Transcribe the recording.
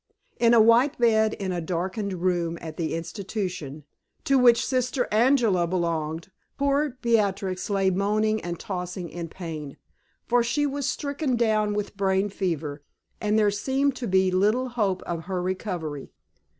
In a white bed in a darkened room at the institution to which Sister Angela belonged, poor Beatrix lay moaning and tossing in pain. For she was stricken down with brain fever, and there seemed to be small hope of her recovery.